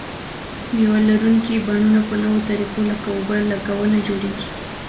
مېوه لرونکي بڼونه په نویو طریقو لکه اوبه لګونه جوړیږي.